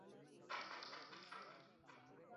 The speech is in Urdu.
کھلاڑی کا جہاز سے بال باسکٹ کرنے کا کارنامہ